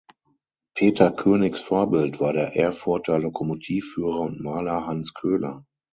Peter Königs Vorbild war der Erfurter Lokomotivführer und Maler Hans Köhler.